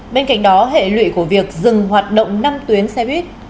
bên cạnh đó hệ lụy của việc dừng hoạt động năm tuyến xe buýt